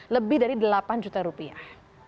lebih dari delapan juta rupiah